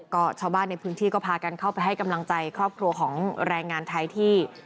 ก็ชาวบ้านในพื้นที่ก็พากันเข้าไปให้กำลังใจครอบครัวของแรงงานไทยที่